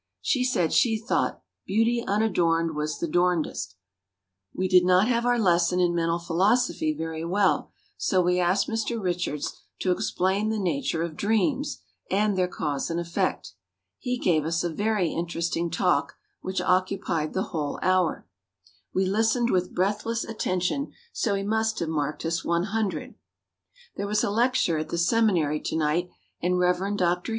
She said she thought "Beauty unadorned was the dorndest." We did not have our lesson in mental philosophy very well so we asked Mr. Richards to explain the nature of dreams and their cause and effect. He gave us a very interesting talk, which occupied the whole hour. We listened with breathless attention, so he must have marked us 100. There was a lecture at the seminary to night and Rev. Dr.